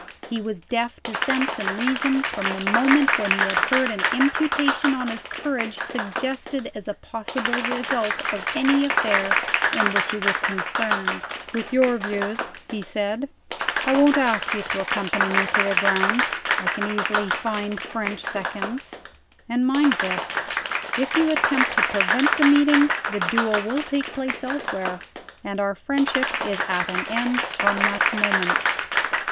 He was deaf to sense and reason, from the moment when he had heard an imputation on his courage suggested as a possible result of any affair in which he was concerned. "With your views," he said, "I won't ask you to accompany me to the ground. I can easily find French seconds. And mind this, if you attempt to prevent the meeting, the duel will take place elsewhere and our friendship is at an end from that moment."